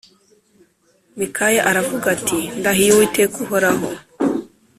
Mikaya aravuga ati Ndahiye Uwiteka uhoraho